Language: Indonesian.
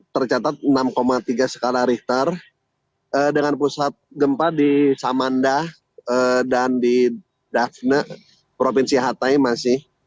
tercatat enam tiga skala richter dengan pusat gempa di samanda dan di dafne provinsi hatai masih